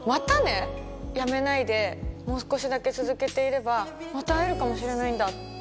辞めないでもう少しだけ続けていればまた会えるかもしれないんだって。